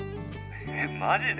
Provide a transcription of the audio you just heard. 「えっマジで？」